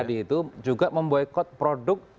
tadi itu juga memboykot produk atau miniatur